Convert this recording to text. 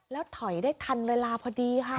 แล้วถอยได้ทันเวลาพอดีค่ะ